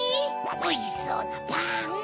おいしそうなパン！